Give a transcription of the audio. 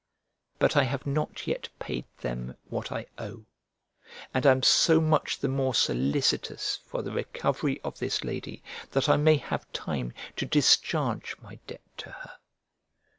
But I have not yet paid them what I owe, and am so much the more solicitous for the recovery of this lady, that I may have time to discharge my debt to her.